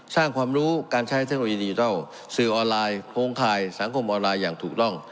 สร้างความรู้การใช้เทคโนโลยีดิจิทัลสื่อออนไลน์โครงข่ายสังคมออนไลน์อย่างถูกต้อง